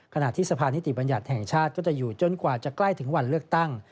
ขณะที่สะพานิติบัญญัติแห่งชาติก็จะอยู่จนกว่าจะใกล้ถึงวันเลือกตั้ง